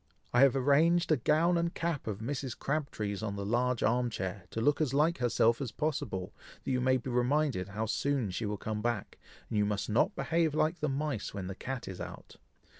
I have arranged a gown and cap of Mrs. Crabtree's on the large arm chair, to look as like herself as possible, that you may be reminded how soon she will come back, and you must not behave like the mice when the cat is out.